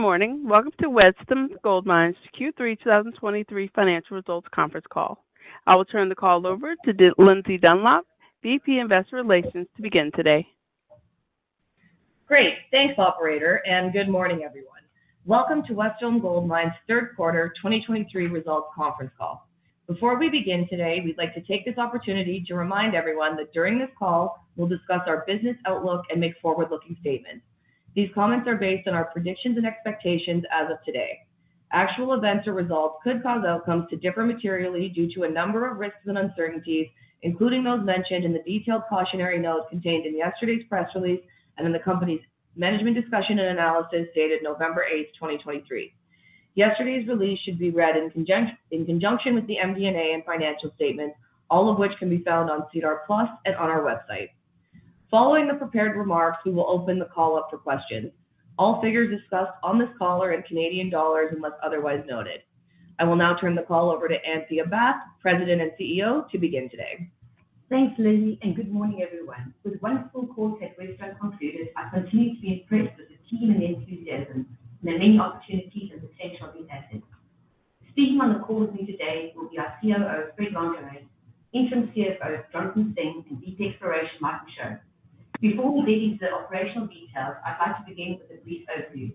Good morning. Welcome to Wesdome Gold Mines' Q3 2023 Financial Results Conference Call. I will turn the call over to Lindsay Dunlop, VP Investor Relations, to begin today. Great! Thanks, operator, and good morning, everyone. Welcome to Wesdome Gold Mines' Third Quarter 2023 Results Conference Call. Before we begin today, we'd like to take this opportunity to remind everyone that during this call, we'll discuss our business outlook and make forward-looking statements. These comments are based on our predictions and expectations as of today. Actual events or results could cause outcomes to differ materially due to a number of risks and uncertainties, including those mentioned in the detailed cautionary notes contained in yesterday's press release and in the company's Management Discussion and Analysis dated November 8, 2023. Yesterday's release should be read in conjunction with the MD&A and financial statements, all of which can be found on SEDAR+ and on our website. Following the prepared remarks, we will open the call up for questions. All figures discussed on this call are in Canadian dollars, unless otherwise noted. I will now turn the call over to Anthea Bath, President and CEO, to begin today. Thanks, Lindsay, and good morning, everyone. With one full quarter at Wesdome concluded, I continue to be impressed with the team and the enthusiasm and the many opportunities and potential of the assets. Speaking on the call with me today will be our COO, Fred Langevin, Interim CFO, Jonathan Singh, and VP, Exploration, Michael Michaud. Before we get into the operational details, I'd like to begin with a brief overview.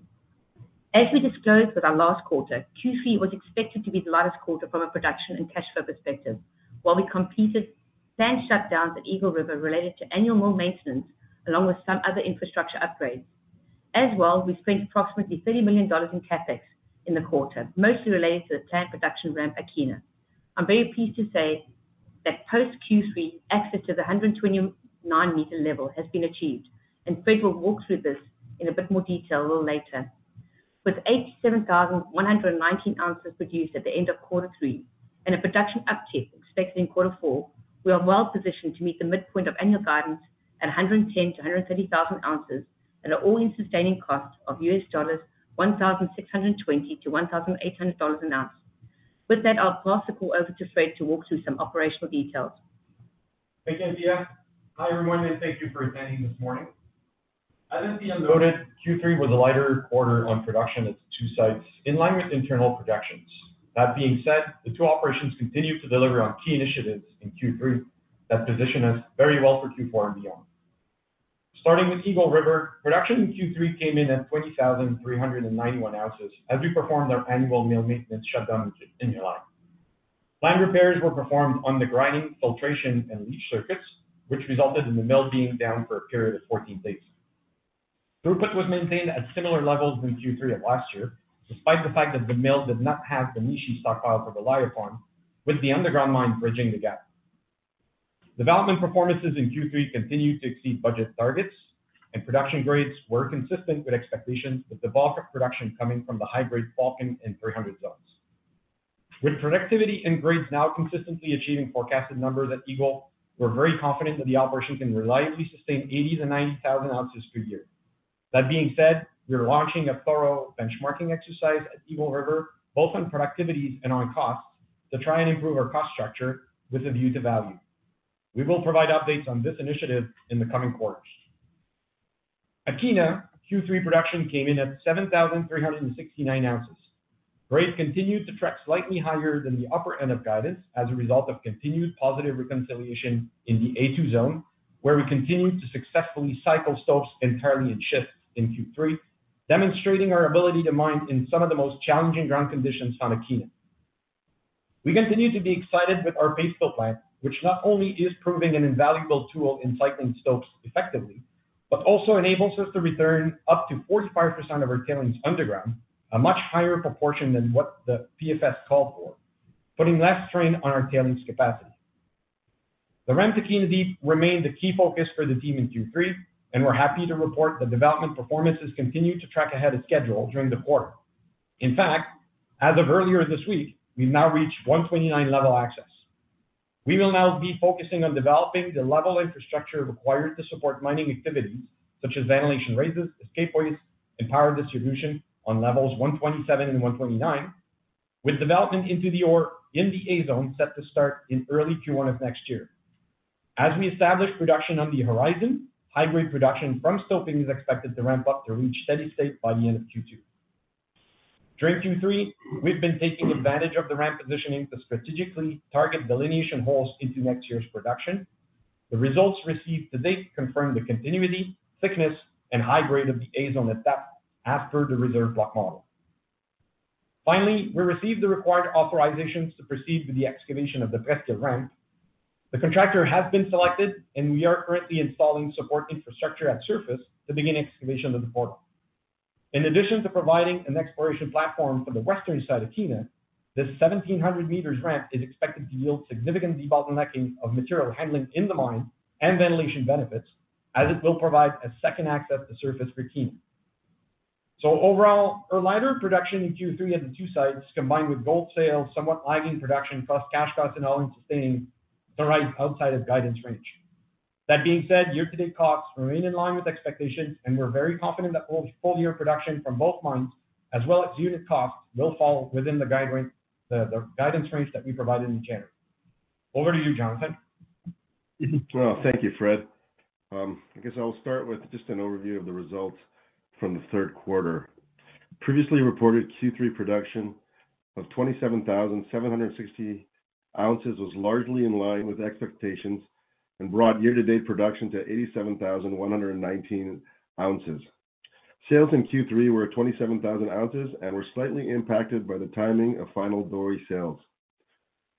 As we disclosed with our last quarter, Q3 was expected to be the lightest quarter from a production and cash flow perspective, while we completed planned shutdowns at Eagle River related to annual mill maintenance, along with some other infrastructure upgrades. As well, we spent approximately 30 million dollars in CapEx in the quarter, mostly related to the planned production ramp, Kiena. I'm very pleased to say that post-Q3, access to the 129-meter level has been achieved, and Fred will walk through this in a bit more detail a little later. With 87,119 ounces produced at the end of Q3 and a production uptick expected in Q4, we are well positioned to meet the midpoint of annual guidance at 110,000-130,000 ounces at an all-in sustaining cost of $1,620-$1,800 an ounce. With that, I'll pass the call over to Fred to walk through some operational details. Thank you, Anthea. Hi, everyone, and thank you for attending this morning. As Anthea noted, Q3 was a lighter quarter on production at the two sites, in line with internal projections. That being said, the two operations continued to deliver on key initiatives in Q3 that position us very well for Q4 and beyond. Starting with Eagle River, production in Q3 came in at 20,391 ounces as we performed our annual mill maintenance shutdown in July. Planned repairs were performed on the grinding, filtration, and leach circuits, which resulted in the mill being down for a period of 14 days. Throughput was maintained at similar levels in Q3 of last year, despite the fact that the mill did not have the Mishi stockpile for reliance on, with the underground mine bridging the gap. Development performances in Q3 continued to exceed budget targets, and production grades were consistent with expectations, with the bulk of production coming from the high-grade Falcon and 300 zones. With productivity and grades now consistently achieving forecasted numbers at Eagle, we're very confident that the operation can reliably sustain 80,000-90,000 ounces per year. That being said, we're launching a thorough benchmarking exercise at Eagle River, both on productivities and on costs, to try and improve our cost structure with a view to value. We will provide updates on this initiative in the coming quarters. Kiena Q3 production came in at 7,369 ounces. Grades continued to track slightly higher than the upper end of guidance as a result of continued positive reconciliation in the A2 Zone, where we continued to successfully cycle stopes entirely in shifts in Q3, demonstrating our ability to mine in some of the most challenging ground conditions on Kiena. We continue to be excited with our paste fill plant, which not only is proving an invaluable tool in cycling stopes effectively, but also enables us to return up to 45% of our tailings underground, a much higher proportion than what the PFS called for, putting less strain on our tailings capacity. The ramp to Kiena Deep remained a key focus for the team in Q3, and we're happy to report that development performances continued to track ahead of schedule during the quarter. In fact, as of earlier this week, we've now reached 129 level access. We will now be focusing on developing the level infrastructure required to support mining activities such as ventilation raises, escapeways, and power distribution on levels 127 and 129, with development into the ore in the A Zone set to start in early Q1 of next year. As we establish production on the horizon, high-grade production from stoping is expected to ramp up to reach steady state by the end of Q2. During Q3, we've been taking advantage of the ramp positioning to strategically target delineation holes into next year's production. The results received to date confirm the continuity, thickness, and high grade of the A Zone at depth as per the reserve block model. Finally, we received the required authorizations to proceed with the excavation of the Presqu'ile ramp. The contractor has been selected, and we are currently installing support infrastructure at surface to begin excavation of the portal. In addition to providing an exploration platform for the western side of Kiena, this 1,700-meter ramp is expected to yield significant debottlenecking of material handling in the mine and ventilation benefits, as it will provide a second access to surface for Kiena. So overall, our lighter production in Q3 at the two sites, combined with gold sales somewhat lagging production, plus cash costs and all-in sustaining derived outside of guidance range. That being said, year-to-date costs remain in line with expectations, and we're very confident that full, full year production from both mines, as well as unit costs, will fall within the guide range, the, the guidance range that we provided in January. Over to you, Jonathan. Well, thank you, Fred. I guess I'll start with just an overview of the results from the third quarter. Previously reported Q3 production of 27,760 ounces was largely in line with expectations and brought year-to-date production to 87,119 ounces. Sales in Q3 were 27,000 ounces and were slightly impacted by the timing of final Doré sales.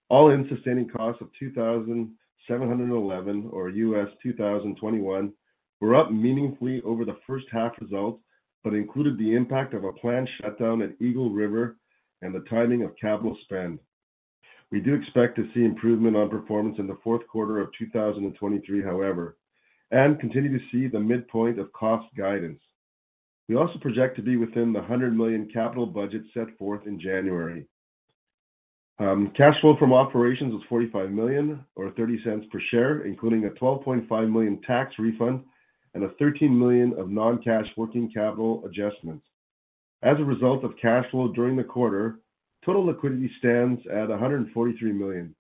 All-in sustaining costs of 2,711, or $2,021, were up meaningfully over the first half results, but included the impact of a planned shutdown at Eagle River and the timing of capital spend. We do expect to see improvement on performance in the Q4 of 2023, however, and continue to see the midpoint of cost guidance. We also project to be within the 100 million capital budget set forth in January. Cash flow from operations was 45 million or 0.30 per share, including a 12.5 million tax refund and 13 million of non-cash working capital adjustments. As a result of cash flow during the quarter, total liquidity stands at 143 million.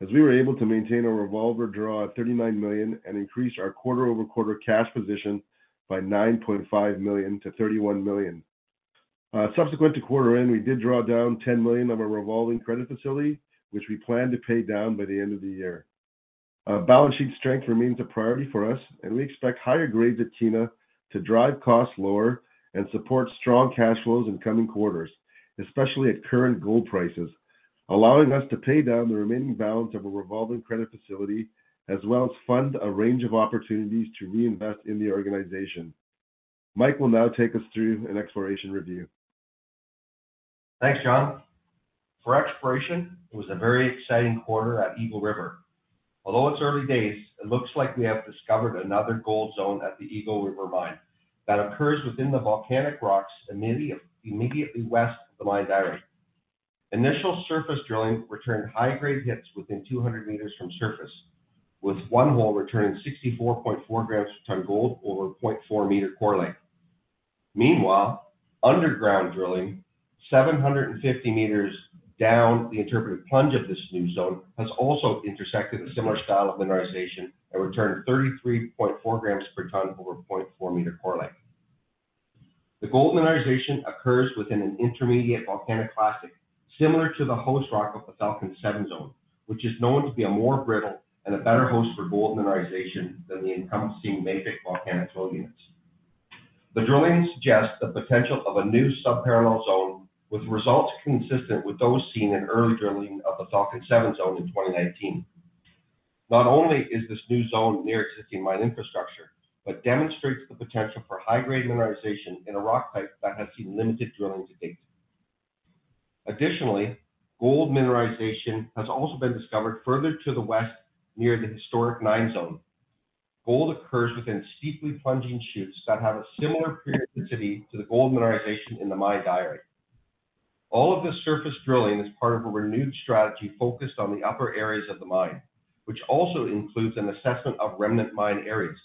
As we were able to maintain our revolver draw at 39 million and increase our quarter-over-quarter cash position by 9.5 million to 31 million. Subsequent to quarter end, we did draw down 10 million of our revolving credit facility, which we plan to pay down by the end of the year. Balance sheet strength remains a priority for us, and we expect higher grades at Kiena to drive costs lower and support strong cash flows in coming quarters, especially at current gold prices, allowing us to pay down the remaining balance of a revolving credit facility, as well as fund a range of opportunities to reinvest in the organization. Mike will now take us through an exploration review. Thanks, John. For Exploration, it was a very exciting quarter at Eagle River. Although it's early days, it looks like we have discovered another gold zone at the Eagle River Mine that occurs within the volcanic rocks immediately west of the mine area. Initial surface drilling returned high-grade hits within 200 meters from surface, with one hole returning 64.4 grams per tonne gold over 0.4-meter core length. Meanwhile, underground drilling, 750 meters down the interpreted plunge of this new zone, has also intersected a similar style of mineralization and returned 33.4 grams per tonne over 0.4-meter core length. The gold mineralization occurs within an intermediate volcanic clastic, similar to the host rock of the Falcon 7 Zone, which is known to be a more brittle and a better host for gold mineralization than the encompassing mafic volcanic flow units. The drilling suggests the potential of a new sub-parallel zone, with results consistent with those seen in early drilling of the Falcon 7 Zone in 2019. Not only is this new zone near existing mine infrastructure, but demonstrates the potential for high-grade mineralization in a rock type that has seen limited drilling to date. Additionally, gold mineralization has also been discovered further to the west, near the historic 9 Zone. Gold occurs within steeply plunging shoots that have a similar periodicity to the gold mineralization in the mine area. All of this surface drilling is part of a renewed strategy focused on the upper areas of the mine, which also includes an assessment of remnant mine areas.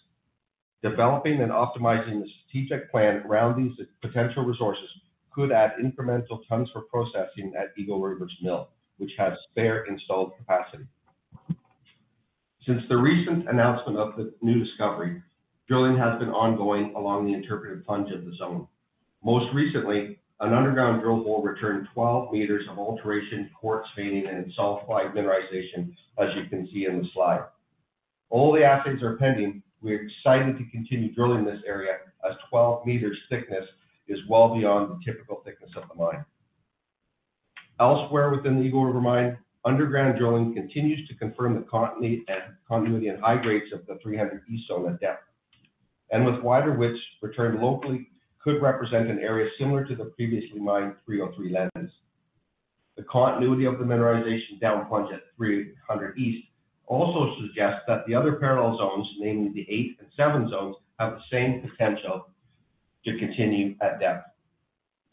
Developing and optimizing the strategic plan around these potential resources could add incremental tons for processing at Eagle River Mine's mill, which has spare installed capacity. Since the recent announcement of the new discovery, drilling has been ongoing along the interpreted plunge of the zone. Most recently, an underground drill hole returned 12 meters of alteration, quartz veining, and sulfided mineralization, as you can see in the slide. All the assays are pending. We're excited to continue drilling this area, as 12 meters thickness is well beyond the typical thickness of the mine. Elsewhere within the Eagle River Mine, underground drilling continues to confirm the continuity, continuity and high grades of the 300 East Zone at depth. With wider widths returned locally could represent an area similar to the previously mined 303 lenses. The continuity of the mineralization down plunge at 300 East also suggests that the other parallel zones, namely the 8 and 7 zones, have the same potential to continue at depth.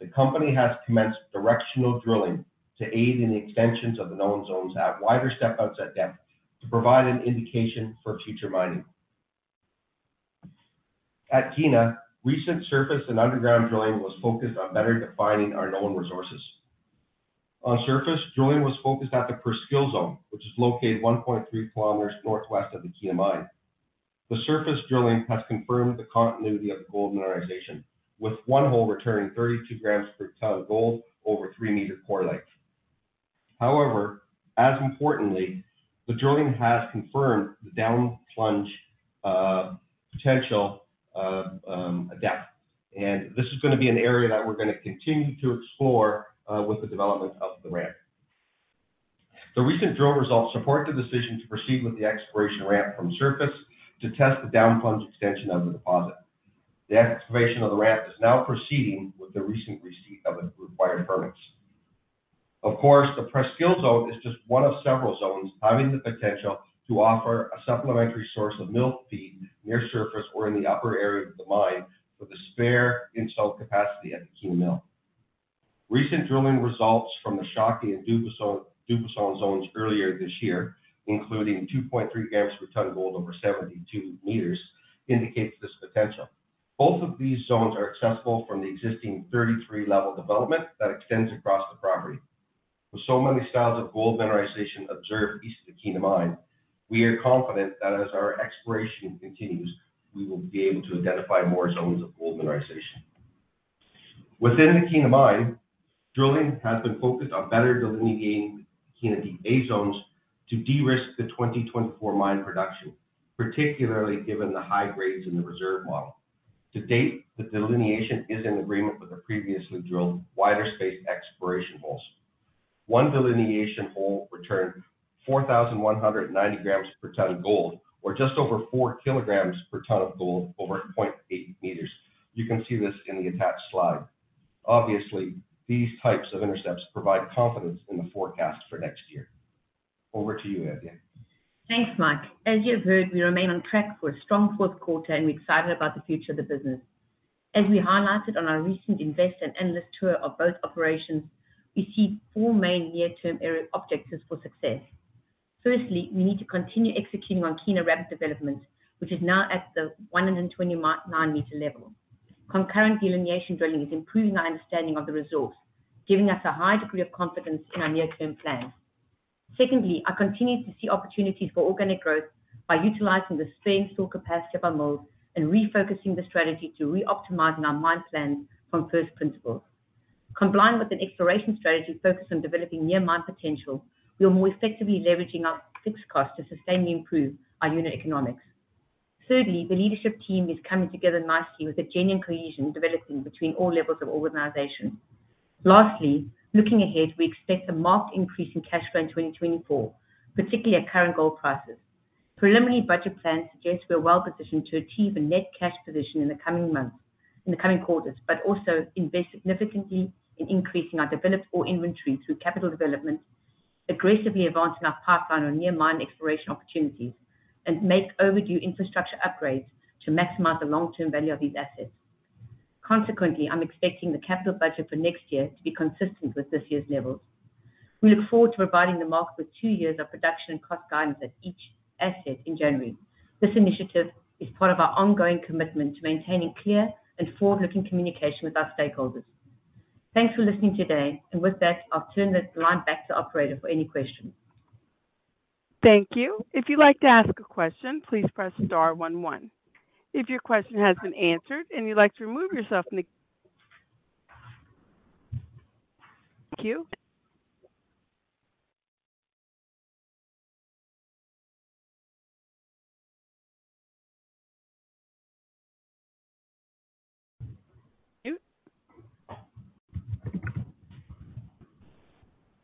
The company has commenced directional drilling to aid in the extensions of the known zones at wider step outs at depth to provide an indication for future mining. At Kiena, recent surface and underground drilling was focused on better defining our known resources. On surface, drilling was focused at the Presqu'ile Zone, which is located 1.3 kilometers northwest of the Kiena Mine. The surface drilling has confirmed the continuity of the gold mineralization, with one hole returning 32 grams per ton of gold over 3-meter core length. However, as importantly, the drilling has confirmed the down plunge potential depth, and this is going to be an area that we're going to continue to explore with the development of the ramp. The recent drill results support the decision to proceed with the exploration ramp from surface to test the down plunge extension of the deposit. The excavation of the ramp is now proceeding with the recent receipt of the required permits. Of course, the Presqu'ile zone is just one of several zones having the potential to offer a supplementary source of mill feed near surface or in the upper area of the mine for the spare installed capacity at the Kiena Mill. Recent drilling results from the Shawkey and Dubuisson, Dubuisson zones earlier this year, including 2.3 grams per ton of gold over 72 meters, indicates this potential. Both of these zones are accessible from the existing 33-level development that extends across the property. With so many styles of gold mineralization observed east of the Kiena Mine, we are confident that as our exploration continues, we will be able to identify more zones of gold mineralization. Within the Kiena Mine, drilling has been focused on better delineating Kiena Deep A zones to de-risk the 2024 mine production, particularly given the high grades in the reserve model. To date, the delineation is in agreement with the previously drilled, wider-spaced exploration holes. One delineation hole returned 4,190 grams per ton of gold, or just over 4 kilograms per ton of gold over 0.8 meters. You can see this in the attached slide. Obviously, these types of intercepts provide confidence in the forecast for next year. Over to you, Anthea. Thanks, Mike. As you have heard, we remain on track for a strong Q4, and we're excited about the future of the business. As we highlighted on our recent investor and analyst tour of both operations, we see four main near-term area objectives for success. Firstly, we need to continue executing on Kiena ramp developments, which is now at the 129-meter level. Concurrent delineation drilling is improving our understanding of the resource, giving us a high degree of confidence in our near-term plans. Secondly, I continue to see opportunities for organic growth by utilizing the sustained store capacity of our mill and refocusing the strategy to reoptimizing our mine plans from first principles. Combined with an exploration strategy focused on developing near mine potential, we are more effectively leveraging our fixed costs to sustainably improve our unit economics. Thirdly, the leadership team is coming together nicely, with a genuine cohesion developing between all levels of organization. Lastly, looking ahead, we expect a marked increase in cash flow in 2024, particularly at current gold prices. Preliminary budget plans suggest we are well positioned to achieve a net cash position in the coming months, in the coming quarters, but also invest significantly in increasing our developed ore inventory through capital development, aggressively advancing our pipeline of near mine exploration opportunities, and make overdue infrastructure upgrades to maximize the long-term value of these assets. Consequently, I'm expecting the capital budget for next year to be consistent with this year's levels. We look forward to providing the market with two years of production and cost guidance at each asset in January. This initiative is part of our ongoing commitment to maintaining clear and forward-looking communication with our stakeholders. Thanks for listening today, and with that, I'll turn this line back to operator for any questions. Thank you. If you'd like to ask a question, please press star one, one. If your question has been answered and you'd like to remove yourself from the.. Thank you.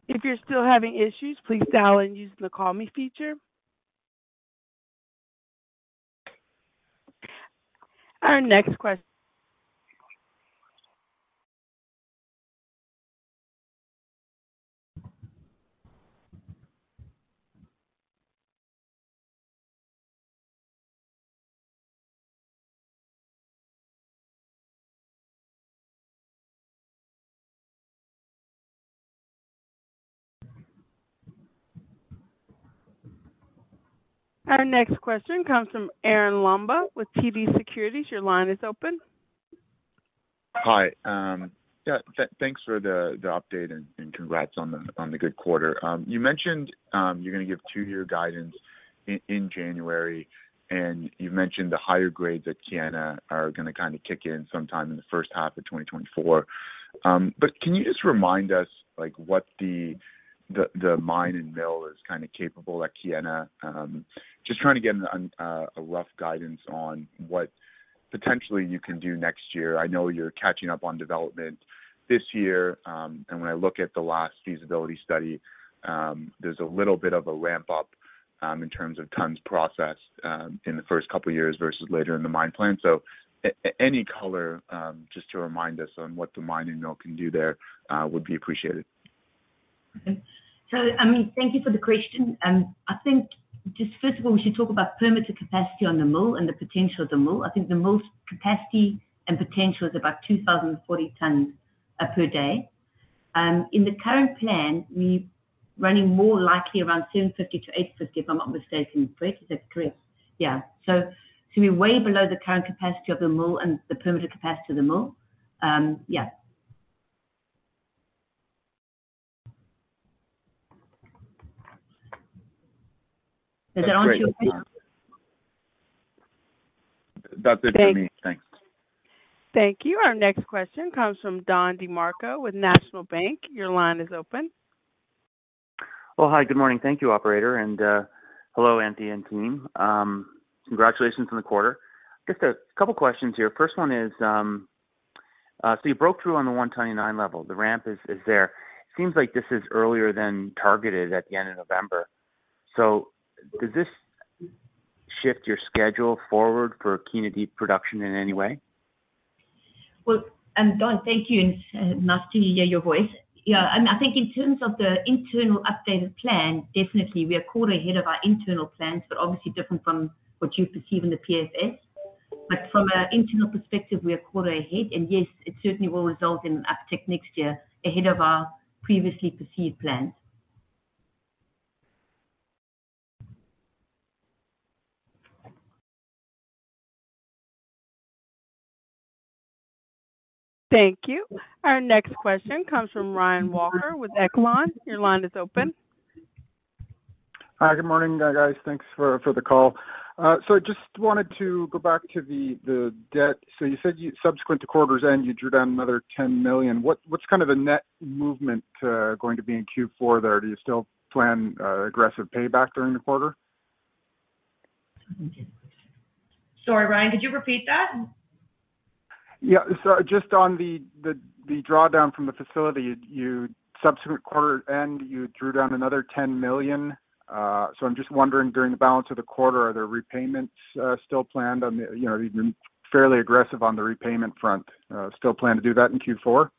If you're still having issues, please dial in using the Call Me feature. Our next question comes from Arun Lamba with TD Securities. Your line is open. Hi. Yeah, thanks for the update and congrats on the good quarter. You mentioned you're gonna give two-year guidance in January, and you mentioned the higher grades at Kiena are gonna kind of kick in sometime in the first half of 2024. But can you just remind us, like, what the mine and mill is kind of capable at Kiena? Just trying to get a rough guidance on what potentially you can do next year. I know you're catching up on development this year, and when I look at the last feasibility study, there's a little bit of a ramp up in terms of tons processed in the first couple of years versus later in the mine plan. So any color, just to remind us on what the mine and mill can do there, would be appreciated. So, I mean, thank you for the question. I think just first of all, we should talk about permitted capacity on the mill and the potential of the mill. I think the mill's capacity and potential is about 2,040 tons per day. In the current plan, we're running more likely around 750-850, if I'm not mistaken. Fred, is that correct? Yeah. So, so we're way below the current capacity of the mill and the permitted capacity of the mill. Yeah. Is it on cue? That's it for me. Thanks. Thank you. Our next question comes from Don DeMarco with National Bank. Your line is open. Well, hi, good morning. Thank you, operator, and hello, Anthea and team. Congratulations on the quarter. I guess there are a couple of questions here. First one is, so you broke through on the 129 level. The ramp is there. Seems like this is earlier than targeted at the end of November. So does this shift your schedule forward for Kiena Deep production in any way? Well, Don, thank you, and nice to hear your voice. Yeah, and I think in terms of the internal updated plan, definitely we are a quarter ahead of our internal plans, but obviously different from what you perceive in the PFS. But from an internal perspective, we are a quarter ahead, and yes, it certainly will result in uptick next year ahead of our previously perceived plans. Thank you. Our next question comes from Ryan Walker with Echelon. Your line is open. Hi, good morning, guys. Thanks for the call. So I just wanted to go back to the debt. So you said you, subsequent to quarter's end, you drew down another 10 million. What's kind of the net movement going to be in Q4 there? Do you still plan aggressive payback during the quarter? Sorry, Ryan, could you repeat that? Yeah. So just on the drawdown from the facility, subsequent to quarter end, you drew down another 10 million. So I'm just wondering, during the balance of the quarter, are there repayments still planned on the.. You know, you've been fairly aggressive on the repayment front. Still plan to do that in Q4?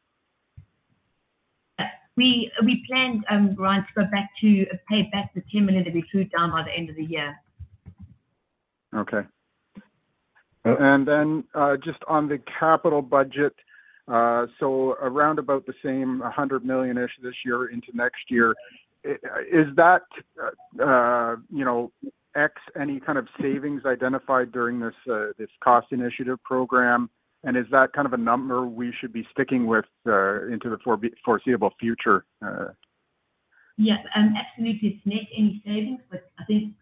We planned, Ryan, to go back to pay back the 10 million that we drew down by the end of the year. Okay. And then, just on the capital budget, so around about the same, 100 million-ish this year into next year, is that, you know, X, any kind of savings identified during this cost initiative program? And is that kind of a number we should be sticking with, into the foreseeable future? Yes, absolutely. It's net any savings, but I think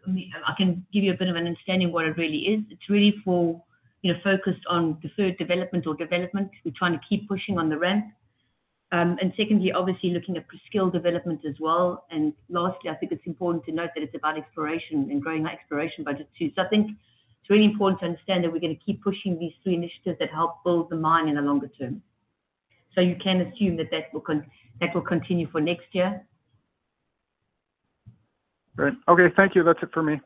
I can give you a bit of an understanding what it really is. It's really for, you know, focused on the third development or development. We're trying to keep pushing on the ramp. And secondly, obviously looking at Presqu'ile development as well. And lastly, I think it's important to note that it's about exploration and growing that exploration budget too. So I think it's really important to understand that we're gonna keep pushing these three initiatives that help build the mine in the longer term. So you can assume that that will continue for next year. Great. Okay, thank you. That's it for me.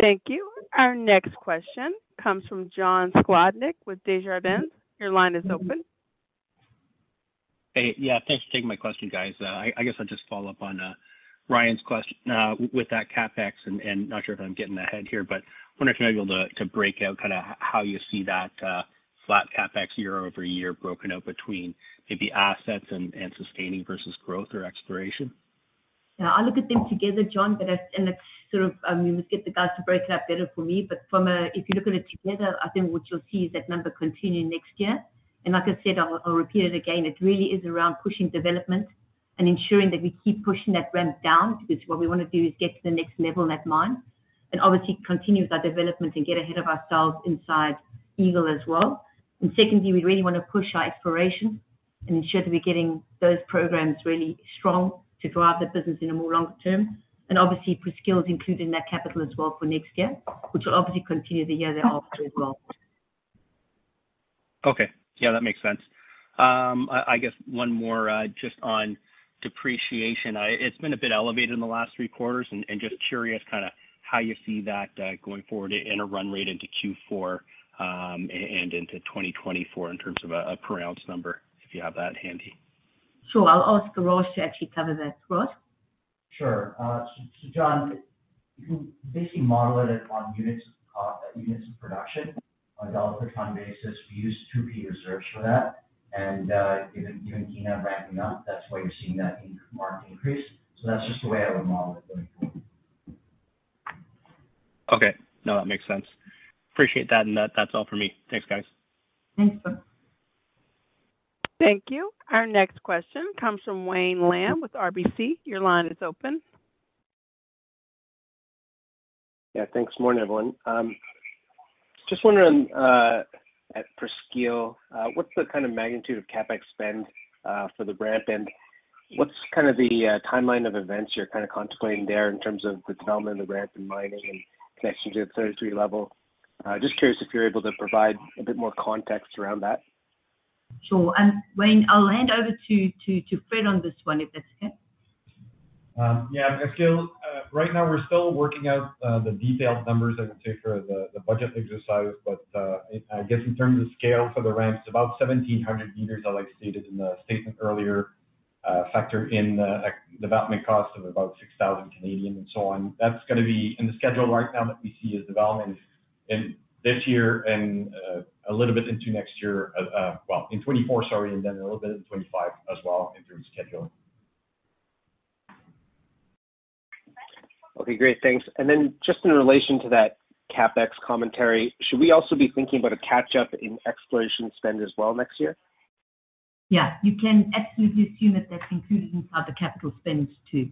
Thank you. Our next question comes from John Sclodnick with Desjardins. Your line is open. Hey, yeah, thanks for taking my question, guys. I guess I'll just follow up on Ryan's question with that CapEx, and not sure if I'm getting ahead here, but I wonder if you're able to break out kind of how you see that flat CapEx year-over-year, broken out between maybe assets and sustaining versus growth or exploration. Yeah, I look at them together, John, but I, and it's sort of, you must get the guys to break it out better for me. But from a—if you look at it together, I think what you'll see is that number continuing next year. And like I said, I'll, I'll repeat it again. It really is around pushing development and ensuring that we keep pushing that ramp down, because what we want to do is get to the next level in that mine. And obviously continue with our development and get ahead of ourselves inside Eagle as well. And secondly, we really want to push our exploration and ensure that we're getting those programs really strong to grow out the business in a more longer term. And obviously, Presqu'ile is included in that capital as well for next year, which will obviously continue the year thereafter as well. Okay. Yeah, that makes sense. I guess one more, just on depreciation. It's been a bit elevated in the last three quarters, and just curious kind of how you see that going forward in a run rate into Q4, and into 2024, in terms of a per ounce number, if you have that handy. Sure. I'll ask Ross to actually cover that. Ross? Sure. So John, you can basically model it on units, units of production on a dollar per ton basis. We use two key reserves for that. And, given Kiena ramping up, that's why you're seeing that income-marked increase. So that's just the way I would model it. Okay. No, that makes sense. Appreciate that, and that, that's all for me. Thanks, guys. Thanks. Thank you. Our next question comes from Wayne Lam with RBC. Your line is open. Yeah, thanks. Morning, everyone. Just wondering, at Presqu'ile, what's the kind of magnitude of CapEx spend, for the ramp, and what's kind of the, timeline of events you're kind of contemplating there in terms of development, the ramp and mining and connection to the 33 level? Just curious if you're able to provide a bit more context around that. Sure. Wayne, I'll hand over to Fred on this one, if that's okay. Yeah, I feel right now we're still working out the detailed numbers, I would say, for the budget exercise. But I guess in terms of scale for the ramp, it's about 1,700 meters, like I stated in the statement earlier, factor in the development cost of about 6,000 and so on. That's gonna be in the schedule right now that we see as development in this year and a little bit into next year. Well, in 2024, sorry, and then a little bit in 2025 as well, in terms of scheduling. Okay, great. Thanks. And then just in relation to that CapEx commentary, should we also be thinking about a catch-up in exploration spend as well next year? Yeah, you can absolutely assume that that's included inside the capital spends too.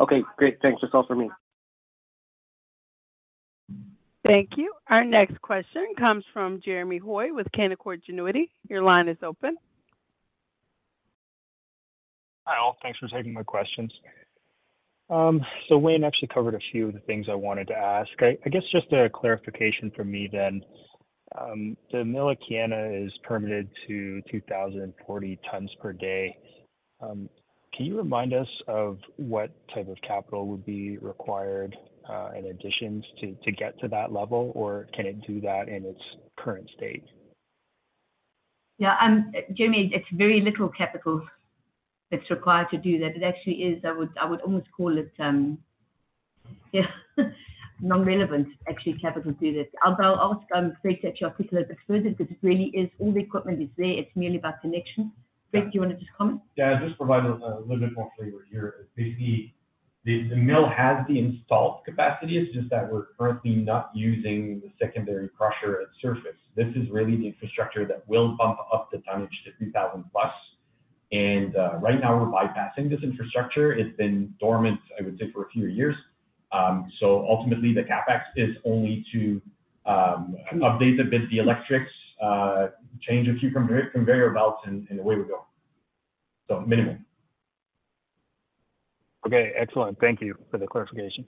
Okay, great. Thanks. That's all for me. Thank you. Our next question comes from Jeremy Hoy with Canaccord Genuity. Your line is open. Hi, all. Thanks for taking my questions. So Wayne actually covered a few of the things I wanted to ask. I guess just a clarification for me then. The Kiena is permitted to 2,040 tons per day. Can you remind us of what type of capital would be required in addition to get to that level, or can it do that in its current state? Yeah, Jeremy, it's very little capital that's required to do that. It actually is. I would almost call it non-relevant, actually, capital to do this. I'll go ask Fred to actually articulate a bit further, because it really is all the equipment is there; it's merely about connection. Fred, do you want to just comment? Yeah, just provide a little bit more flavor here. Basically, the mill has the installed capacity. It's just that we're currently not using the secondary crusher at surface. This is really the infrastructure that will bump up the tonnage to 3,000+. And right now, we're bypassing this infrastructure. It's been dormant, I would say, for a few years. So ultimately, the CapEx is only to update a bit the electrics, change a few conveyor belts, and away we go. So minimum. Okay, excellent. Thank you for the clarification.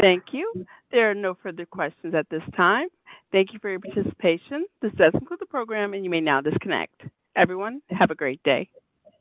Thank you. There are no further questions at this time. Thank you for your participation. This does conclude the program, and you may now disconnect. Everyone, have a great day.